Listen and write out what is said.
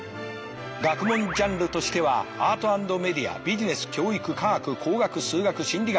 学問ジャンルとしてはアート＆メディアビジネス教育科学工学数学心理学